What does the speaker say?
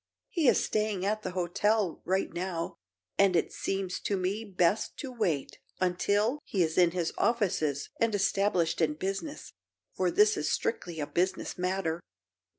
He is staying at the hotel, right now, and it seems to me best to wait until he is in his offices and established in business, for this is strictly a business matter."